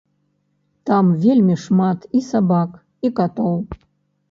Там вельмі шмат і сабак, і катоў.